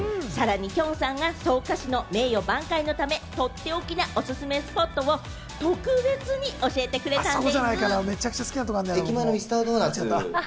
さらに、きょんさんが草加市の名誉挽回のため、とっておきのおすすめスポットを特別に教えてくれたんでぃす。